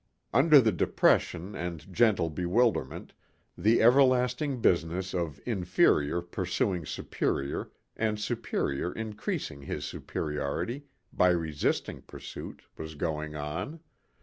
Under the depression and gentle bewilderment, the everlasting business of inferior pursuing superior and superior increasing his superiority by resisting pursuit, was going on.